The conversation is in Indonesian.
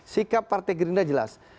sikap partai gerindra jelas